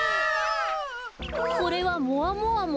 これはもわもわも。